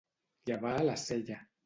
Llevar la sella.